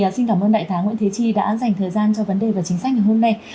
trước tiên thì xin cảm ơn đại tá nguyễn thế chi đã dành thời gian cho vấn đề và chính sách ngày hôm nay